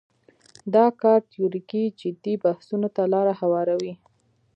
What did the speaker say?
دا کار تیوریکي جدي بحثونو ته لاره هواروي.